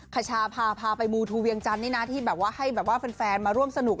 ขชาพาพาไปมูทูเวียงจันทร์นี่นะที่แบบว่าให้แบบว่าแฟนมาร่วมสนุก